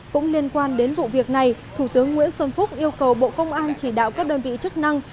cũng liên quan đến vụ việc này thủ tướng nguyễn xuân phúc yêu cầu bộ công an chỉ đạo các đơn vị chức năng